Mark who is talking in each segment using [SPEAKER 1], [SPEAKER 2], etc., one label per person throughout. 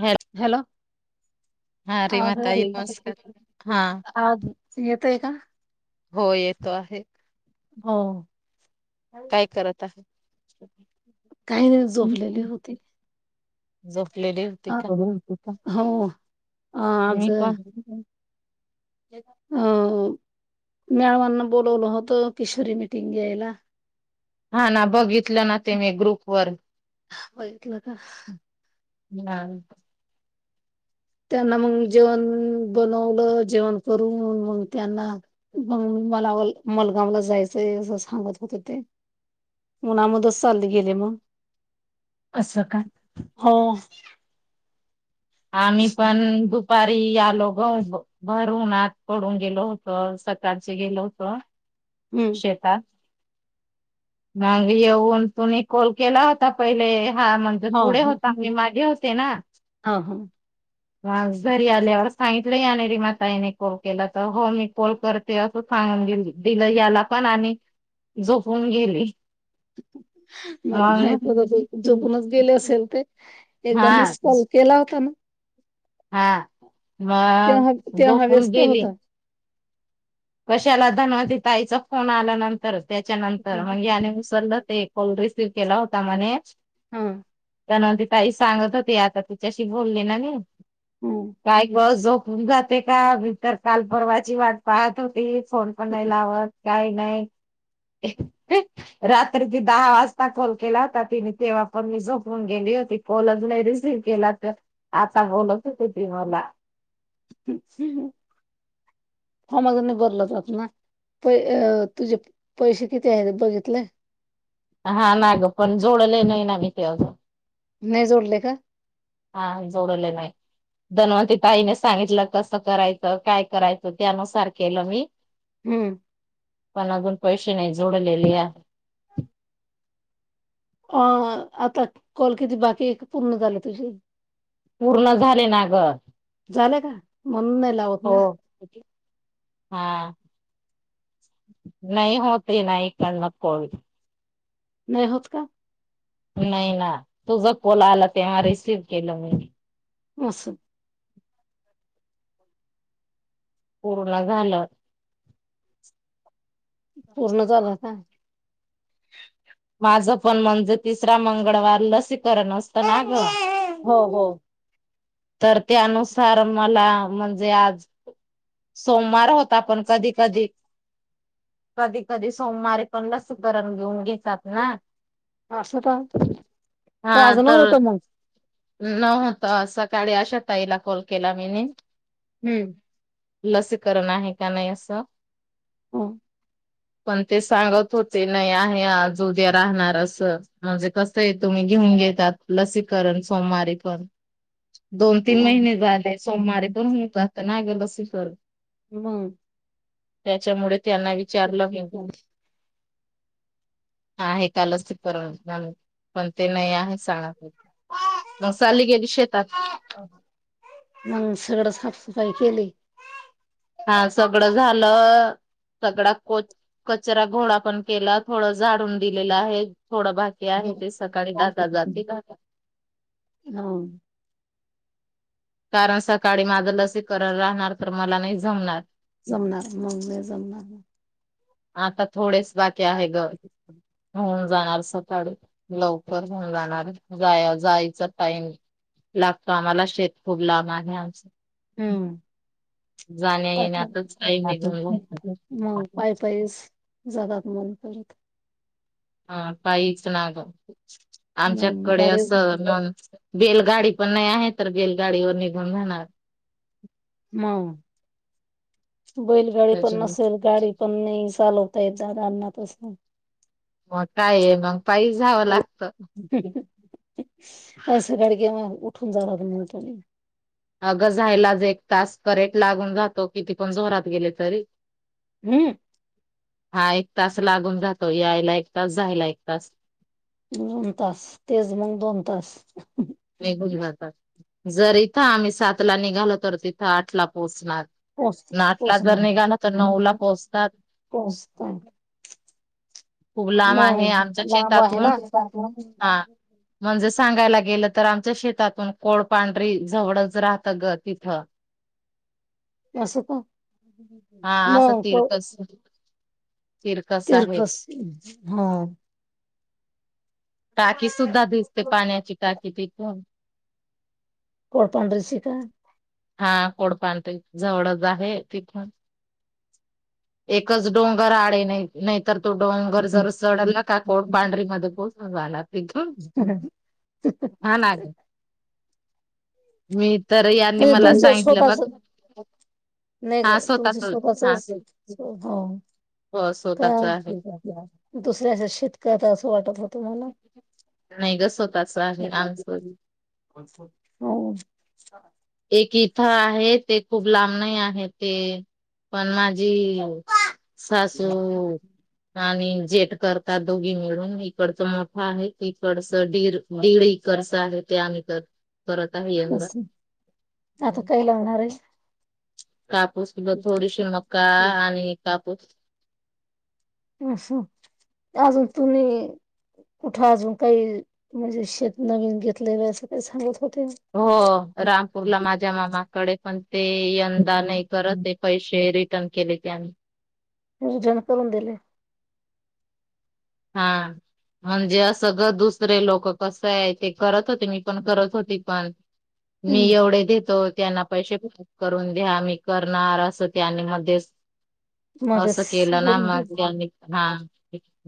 [SPEAKER 1] हा.
[SPEAKER 2] हॅलो?
[SPEAKER 1] हा, रे माताई, नमस्कार!
[SPEAKER 2] येतोय
[SPEAKER 1] हा.
[SPEAKER 2] आवाज येतोय का?
[SPEAKER 1] हो, येतो आहे.
[SPEAKER 2] हो.
[SPEAKER 1] काय करत आहे?
[SPEAKER 2] काही नाही, झोपलेली होती.
[SPEAKER 1] झोपलेली?
[SPEAKER 2] अ,
[SPEAKER 1] का
[SPEAKER 2] हो, आज
[SPEAKER 1] मी पण
[SPEAKER 2] अ मॅडमांना बोलवलं होतं, किशोरी मिटिंग घ्यायला.
[SPEAKER 1] हा ना, बघितलं ना ते मी ग्रुप वर.
[SPEAKER 2] बघितलं का
[SPEAKER 1] हा.
[SPEAKER 2] त्यांना मग जेवण बनवलं, जेवण करून मग त्यांना मग, मला मलगावला जायचंय असं सांगत होतं ते उन्हामध्येच चालत गेले म
[SPEAKER 1] असं का?
[SPEAKER 2] हो.
[SPEAKER 1] आम्ही पण
[SPEAKER 2] हम्म
[SPEAKER 1] दुपारी आलो ग. भर उन्हात पडून गेलो होतो, सकाळच गेलो होत. शेतात मग येऊन तुम्ही कॉल केला होता पहिले. हा, म्हणजे पुढे होता, मी मागे होते ना.
[SPEAKER 2] हा हा.
[SPEAKER 1] मग घरी आल्यावर सांगितलं यानेरी माताईने कॉल केला, तर हो मी कॉल करते ते असं सांगून गेल, दिलं याला पण आणि झोपून गेली.
[SPEAKER 2] मला
[SPEAKER 1] मग
[SPEAKER 2] माहित [unintelligible] झोपूनच गेले असेल ते. एकदा
[SPEAKER 1] हा
[SPEAKER 2] मिस कॉल केला होता ना.
[SPEAKER 1] हा मग
[SPEAKER 2] तेव्हा, तेव्हा
[SPEAKER 1] झोपून
[SPEAKER 2] व्यस्त
[SPEAKER 1] गेली
[SPEAKER 2] होता.
[SPEAKER 1] कशाला धनवती ताईचा फोन आल्यानंतर, त्याच्यानंतर मग ये आणि विसरलं ते कॉल रिसीव केला होता म्हणे,
[SPEAKER 2] हा
[SPEAKER 1] धनवती ताई सांगत होती, आता तुच्याशी बोलले ना मी.
[SPEAKER 2] ह
[SPEAKER 1] काही बस झोपून जाते का, मी तर काल पर्वाची वाट पाहत ते फोन पण नाही लावत, काही नाही. रात्रीचे दहा वाजता कॉल केला होता तिने, तेव्हा पण मी झोपून गेली होती. फोनच नाही रिसीव केला तर, आता बोलत होती ती मला.
[SPEAKER 2] [unintelligible] जात ना. प तुझे पैसे किती आहे बघितले?
[SPEAKER 1] हा ना ग, पण जोडले नाही ना मी ते अजून
[SPEAKER 2] नाही जोडले का?
[SPEAKER 1] हा, जोडले नाही. धनवंती ताईने सांगितलं, कसं करायचं, काय करायचं, त्यानुसार केलं मी
[SPEAKER 2] हम्म!
[SPEAKER 1] मला अजून पैसे नाही जोडलेले.
[SPEAKER 2] [inaudible] अ आता कॉल किती बाकी आहे का पूर्ण झालं तुझी?
[SPEAKER 1] पूर्ण झाले ना ग.
[SPEAKER 2] झालेय का म्हण ला.
[SPEAKER 1] हो हा. नाही होत नाही करण कॉल.
[SPEAKER 2] नाही होत का?
[SPEAKER 1] नाही ना तुझ कोल आला तेव्हा रिसीव केलं मी.
[SPEAKER 2] असे.
[SPEAKER 1] पूर्ण झालं.
[SPEAKER 2] पूर्ण झालं का?
[SPEAKER 1] माझं पण म्हणजे तिसरा मंगळवार लसीकरण असतं ना ग.
[SPEAKER 2] हो हो.
[SPEAKER 1] तर त्यानुसार मला म्हणजे आज सोमवार होता पण कधी कधी कधी कधी सोमवारीे पण लसीकरण घेऊन घेतात ना.
[SPEAKER 2] असं का तर आज न होतं मग.
[SPEAKER 1] नवत सकाळी आशाताई ला कॉल केला मी न
[SPEAKER 2] हम्म.
[SPEAKER 1] लसीकरण आहे का नाही असं.
[SPEAKER 2] हम्म.
[SPEAKER 1] पण ते सांगत होते नाही आहे आज उद्या राहणार असं. म्हणजे कसं आहे तुम्ही घेऊन घेतात लसीकरण सोमवारी पण. दोन तीन
[SPEAKER 2] हो.
[SPEAKER 1] महिने बाद आहे सोमवारीे पण होऊन जातो ना ग लसीकरण.
[SPEAKER 2] हम्म.
[SPEAKER 1] त्याच्यामुळे त्यांना विचारलं मी. आहे कालच त पर पण ते नाही आहे सांगज मग चालली गेली शेतात.
[SPEAKER 2] मग सगळं साफसफाई केली.
[SPEAKER 1] हा सगळं झालं. सगळा को कचरा गोळा पण केला थोडं झाडून दिलेलं आहे थोडं बाकी आहे ते सकाळी जात जाते गात.
[SPEAKER 2] हा.
[SPEAKER 1] कारण सकाळी माझं लसी करण राहणार तर मला नाही जमणार.
[SPEAKER 2] जमणार मग नाही जमणार.
[SPEAKER 1] आता थोडेच बाकी आहे ग होऊन जाणार सकाळी. लवकर होऊन जाणार जा जायचा टाईम लागतो आम्हाला शेत खूप लांब आहे आमचं.
[SPEAKER 2] हम्म.
[SPEAKER 1] जाण्या येण्यातच टाईम निघून
[SPEAKER 2] मंग पाई पाई जातात मंग
[SPEAKER 1] हा पायीच ना ग
[SPEAKER 2] मग
[SPEAKER 1] आमच्याकडे
[SPEAKER 2] गाडी
[SPEAKER 1] असं बेलगाडी पण नाही आहे तर बेलगाडीवर निघून जाणार.
[SPEAKER 2] ह बैलगाडी पण
[SPEAKER 1] त्याच्यामुळे
[SPEAKER 2] नसेल गाडी पण नाही साधं. ताई जरारानापासनं.
[SPEAKER 1] मग काय मग पायी जावं लागत.
[SPEAKER 2] आज सकाळी उठून जावा लागतो.
[SPEAKER 1] अग जायलाच एक तास करेक्ट लागून जातो किती पण जोरात गेले तरी.
[SPEAKER 2] हम्म
[SPEAKER 1] हा एक तास लागून जातो यायला एक तास जायला एक तास.
[SPEAKER 2] दोन तास तेच मंग दोन तास.
[SPEAKER 1] निघून जातात जर इथं आम्ही सातला निघालो तर तिथ आठला पोहोचणार.
[SPEAKER 2] पोच
[SPEAKER 1] न आठला जर
[SPEAKER 2] पोचणार.
[SPEAKER 1] निघाला तर नऊ ला पोहोचतात
[SPEAKER 2] पोचतात
[SPEAKER 1] खूप लांब आहे
[SPEAKER 2] मग
[SPEAKER 1] आमच्या
[SPEAKER 2] लांब आहे ना.
[SPEAKER 1] शेतातून हां. म्हणजे सांगायला गेल तर आमच्या शेतातून कोडपांढरी जवळच राहतं ग तिथ.
[SPEAKER 2] असं का
[SPEAKER 1] हा आता
[SPEAKER 2] मग
[SPEAKER 1] तीरकस.
[SPEAKER 2] तीरकस हां.
[SPEAKER 1] टाकी सुद्धा दिसते पाण्याची टाकी तिथून.
[SPEAKER 2] कोळ [unintelligible] शिका
[SPEAKER 1] हा कोडपांढरी ते जवळच आहे तिथून. एकच डोंगर आडय नाही नाही. तर तो डोंगर जर चढला का कोडपांडरीमध्ये पोहचून झाला तीथुन.
[SPEAKER 2] [inaudible]
[SPEAKER 1] हां ना मी तर यांनी
[SPEAKER 2] म्हणजे
[SPEAKER 1] मला
[SPEAKER 2] तुमचं
[SPEAKER 1] सांगितलं बघ
[SPEAKER 2] स्वतःच नाही ग
[SPEAKER 1] हा स्वतःच. हा
[SPEAKER 2] [unintelligible] हो
[SPEAKER 1] हो स्वतःच आहे
[SPEAKER 2] का दुसऱ्याच शेत कऱते अस वाटत होतं मला.
[SPEAKER 1] नाहीग स्वतःच आहे आमच.
[SPEAKER 2] हो
[SPEAKER 1] एक इथ आहे ते खूप लांब नाही आहे ते. पण माझी सासू. आणि जेट करतात दोघे मिळून इकडच मोठा आहे इकडच दीड दीड इकरच आहे ते आम्ही तर करत आहे यंदा.
[SPEAKER 2] असं आता काय लागणार आहेस.
[SPEAKER 1] कापूस किंवा थोडीशी मका आणि कापूस.
[SPEAKER 2] अस अजून तुम्ही कुठ अजून काही म्हणजे शेत नवीन घेतलस अस काही सांगत होतीस.
[SPEAKER 1] हो रामपूरला माझ्या मामाकडे पण ते यंदा नाही करतय. पैसे रिटर्न केले त्यांनी.
[SPEAKER 2] जन करून दिले.
[SPEAKER 1] हां म्हणजे अस ग दुसरे लोक कस आहे ते करत होते मी पण करत होती पण मी
[SPEAKER 2] हम्म
[SPEAKER 1] एवढे देतो त्यांना पैसे करून द्या मी करणार अस त्यानी मध्येच अस
[SPEAKER 2] मध्येच
[SPEAKER 1] केल ना
[SPEAKER 2] बोलून
[SPEAKER 1] मग
[SPEAKER 2] गेले.
[SPEAKER 1] त्यांनी हां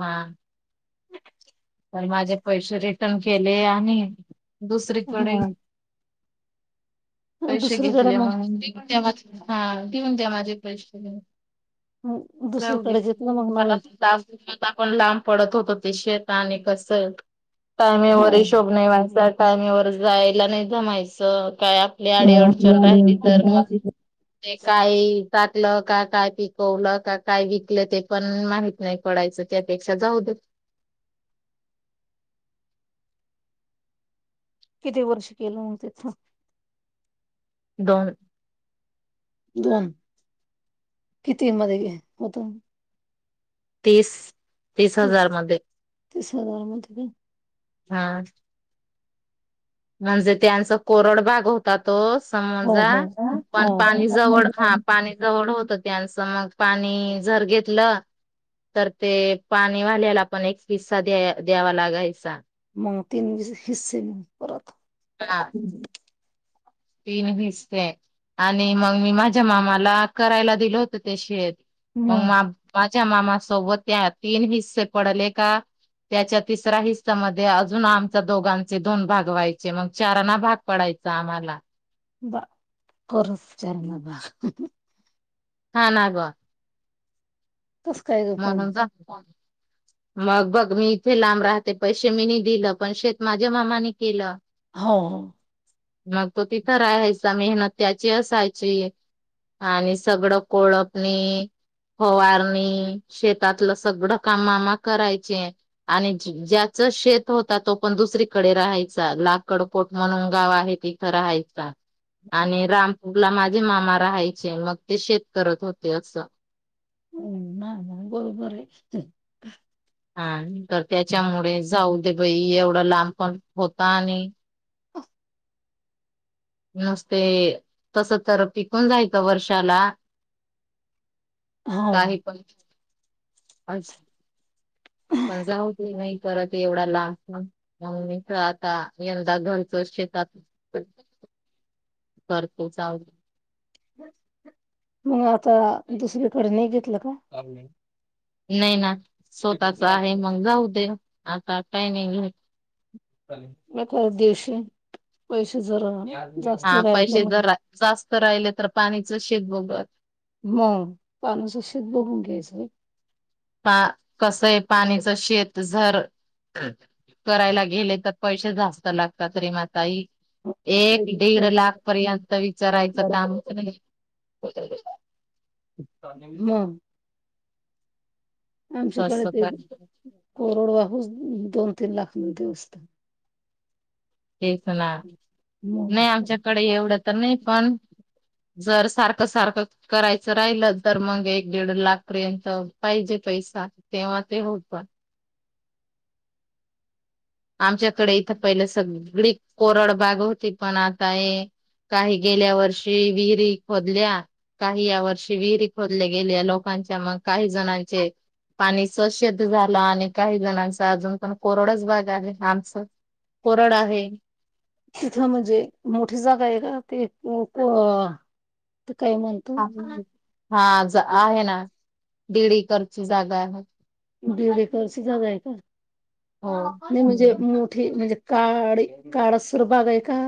[SPEAKER 1] हां तर माझे पैसे रिटर्न केले आणि दुसरीकडे
[SPEAKER 2] हा
[SPEAKER 1] पैसे घेतले मग तेव्हाच हा देऊन द्या माझे पैसे घेऊन. जाऊदे
[SPEAKER 2] दुसरीकडे घेतलं मग
[SPEAKER 1] डोक्याला
[SPEAKER 2] नवीन
[SPEAKER 1] ताप. त्यानलापण लांब पडत होतो ते शेत आणि कस. टायमेवर
[SPEAKER 2] हो.
[SPEAKER 1] हिशोभ नाही व्हायचा टायमेवर जायला नाही जमायच काय लय
[SPEAKER 2] गावातले
[SPEAKER 1] अडीअडचण राहिली
[SPEAKER 2] आलेपर्यंत
[SPEAKER 1] तर मग
[SPEAKER 2] अशीच
[SPEAKER 1] ते काय टाटलं, का काय पिकवलं, का काय विकलं, ते पण माहि नाही पडायचं, त्यापेक्षा जाऊ दे
[SPEAKER 2] किती वर्ष केलं तिथून
[SPEAKER 1] दोन
[SPEAKER 2] दोन, किती मध्ये होत?
[SPEAKER 1] तीस, तीस हजार मध्ये,
[SPEAKER 2] तीस हजार मध्ये का
[SPEAKER 1] हा. म्हणजे त्यांचा कोरड भाग होता तो,
[SPEAKER 2] हो
[SPEAKER 1] समजा,
[SPEAKER 2] हो
[SPEAKER 1] पण पाणी
[SPEAKER 2] हो
[SPEAKER 1] जवळ हा पाणी जवळ होत त्यांचं मग, पाणी झर घेतलं. तर ते पाणी वाल्याला पण एक पिस्सा द्या द्यावा लागायचा.
[SPEAKER 2] मग तीन हिस्से परत
[SPEAKER 1] हा.
[SPEAKER 2] हम्.
[SPEAKER 1] तीन हिस्से, आणि मग मी माझ्या मामाला करायला दिल होतं ते शेत. मग मा माझ्या मामा सोबत त्या, तीन हिस्से पडले का? त्याच्या तिसऱ्या हिस्सामध्ये अजून आमच्या दोघांचे दोन भाग व्हायचे, मग चारांना भाग पडायच आम्हाला
[SPEAKER 2] बा, कोरच चारणा बा.
[SPEAKER 1] हा, ना बा.
[SPEAKER 2] कस काय ग पण
[SPEAKER 1] म्हणून जा मग बघ मी इथे लांब राहते, पैसे मीनी दिलं, पण शेत माझ्या मामाने केलं.
[SPEAKER 2] हो.
[SPEAKER 1] मग तो तिथं राहायचा, मेहनत त्याची असायची. आणि सगळं कोळपणी, फवारणी शेतातलं सगळं काम मामा करायचे. आणि ज्याच शेत होत, तो पण दुसरीकडे राहायचा, लाकडपोट म्हणून गाव आहे की रहायचा. आणि रामपूरला माझे मामा राहायचे, मग ते शेत करत होते असं.
[SPEAKER 2] हम्! नाही नाही, बरोबर ये.
[SPEAKER 1] हा, तर त्याच्यामुळे जाऊ दे बाई, एवढा लांब पण होता, आणि
[SPEAKER 2] अ [inaudible]
[SPEAKER 1] नसते, तस तर टिकून जायचं वर्षाला
[SPEAKER 2] हो.
[SPEAKER 1] काही पण [unintelligible] पण जाऊ ते नाही परत एवढा ल [unintelligible] ममीच आता, यंदा घरचोर शेतात करतो चाव
[SPEAKER 2] मग आता, दुसरीकडे नाही घेतलं का?
[SPEAKER 1] नाही ना, स्वतःच आहे मग जाऊ दे, आता काही नाही घे
[SPEAKER 2] [unintelligible] दिवशी पैसे जरा
[SPEAKER 1] हा, पैसे जरा जास्त राहिले, तर पाणीच शेेत बघ
[SPEAKER 2] हम, पाणीच शेत बघून घ्यायचं.
[SPEAKER 1] पा कसय पाणीच शेत, जर करायला गेले तर पैसे जास्त लागतात, रेमातई. एक, दीड
[SPEAKER 2] पहिले
[SPEAKER 1] लाख पर्यंत विचारायचं
[SPEAKER 2] मग
[SPEAKER 1] कामच नाही.
[SPEAKER 2] म [inaudible]
[SPEAKER 1] तस
[SPEAKER 2] आमच्याकडे ते,
[SPEAKER 1] तर
[SPEAKER 2] कोरड वाहुस दोन तीन लाखमध्ये असत.
[SPEAKER 1] तेच ना
[SPEAKER 2] मग
[SPEAKER 1] नाही आमच्याकडे एवढं तर नाही पण. जर सारखं सारखं. करायचं राहिल तर मग एक दीड लाख पर्यंत पाहिजे पैसा. तेव्हा ते होत पण. आमच्याकडे इथं पहिले सगळी कोरड बाग होती पण आता हे. काही गेल्या वर्षी विहिरी खोदल्या. काही या वर्षी विहिरी खोदले गेले लोकांच्या मग काही जणांचे. पाणीच शेत झाला आणि काही जणांचा अजून पण कोरडच बाग. आहे आमचं कोरड आहे.
[SPEAKER 2] तिथं म्हणजे मोठी जागा आहे का ते. काय म्हणत.
[SPEAKER 1] हा आहे ना दडडीकरची जागा आहे.
[SPEAKER 2] बीले एकर जाग आहे का.
[SPEAKER 1] हो
[SPEAKER 2] आणि म्हणजे मोठी म्हणजे काळी काळासर बाग आहे का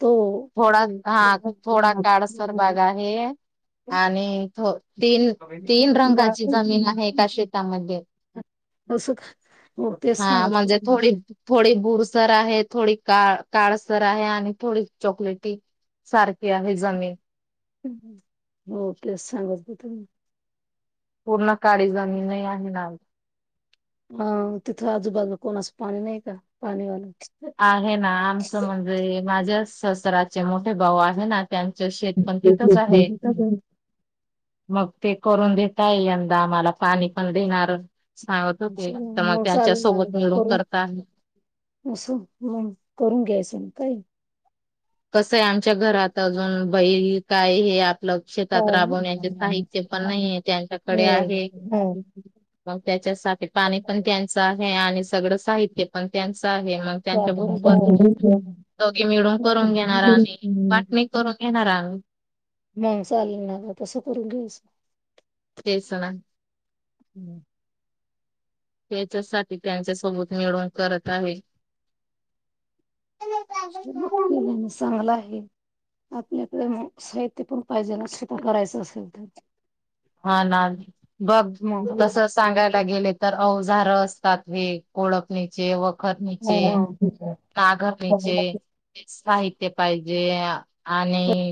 [SPEAKER 2] तो.
[SPEAKER 1] थोडा हा थोडा काळसर भाग आहे आणि थ तीन तीन रंगाची जमीन आहे एका शेतामध्ये.
[SPEAKER 2] तस का हो तेच
[SPEAKER 1] हा
[SPEAKER 2] सांगत
[SPEAKER 1] म्हणजे
[SPEAKER 2] होते.
[SPEAKER 1] थोडी थोडी बुरसर आहे थोडी काळ काळसर आहे आणि थोडी. चॉकलेटी सारखी आहे जमीन.
[SPEAKER 2] हो तेच सांगत ब त
[SPEAKER 1] पूर्ण काळी जमीनही आहे ना आमची.
[SPEAKER 2] हा तिथं आजूबाजूला कोणा असं पाणी नाही का पाणीवाला
[SPEAKER 1] आहे ना आमचं म्हणजे माझ्या शसराचे मोठे भाऊ आहे ना. त्यांचं शेतपण तिथंच आहे.
[SPEAKER 2] असं
[SPEAKER 1] मग ते करून देता ये यंदा आम्हाला पाणी पण देणार. सांगत होते तर मग त्यांच्या
[SPEAKER 2] चालू लागेल
[SPEAKER 1] सोबत मिळून
[SPEAKER 2] करून
[SPEAKER 1] करता.
[SPEAKER 2] असं हो करून घ्यायचं म काय.
[SPEAKER 1] कसं आहे आमच्या घरात अजून बैल काय हे.
[SPEAKER 2] हो
[SPEAKER 1] लक्षेतात राबवण्या यांचे साहित्य पण नाही त्यांच्याकडे
[SPEAKER 2] होय
[SPEAKER 1] आहे.
[SPEAKER 2] हो
[SPEAKER 1] मग त्याच्यासाठी पाणी पण त्यांचं आहे आणि सगळं साहित्य पण त्यांचं आहे मग. त्यांच्या बरोबर दघी मिळून. करून घेणार आणि वाटणी करून घेणार आ
[SPEAKER 2] मग चाल ना का तसं करून घ्यायचं.
[SPEAKER 1] केस ना.
[SPEAKER 2] [inaudible]
[SPEAKER 1] त्याच्यासाठी त्यांच्या सोबत मिळवून करत आहे.
[SPEAKER 2] काय आलेलं आहे म चांगला आहे. आपल्याकडे साहित्य पण पाहिजे ना स्छटं करायचं असेल तर.
[SPEAKER 1] हा ना बघ तस
[SPEAKER 2] मग
[SPEAKER 1] सांगायला गेले तर अवजार असतात हे ओळपणीचे व वखर नीचेे नागर नीचेे. ते साहित्य पाहिजे आणि